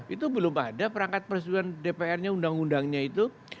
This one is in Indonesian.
itu belum ada perangkat persetujuan dprnya undang undangnya itu